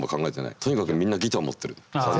とにかくみんなギター持ってる。